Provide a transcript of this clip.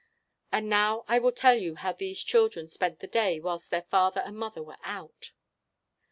And now I will tell you how these children spent the day whilst their father and mother were out.